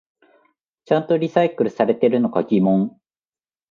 ちゃんとリサイクルされてるのか疑問